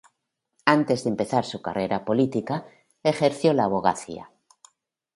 Antes de empezar su carrera política, ejerció la abogacía.